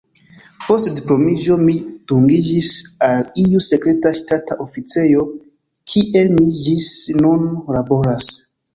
Post diplomiĝo mi dungiĝis al iu sekreta ŝtata oficejo, kie mi ĝis nun laboras.